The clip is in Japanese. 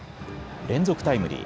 連続タイムリー。